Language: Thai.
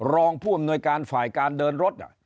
รองผู้อำนวยการฝ่ายการเดินรถ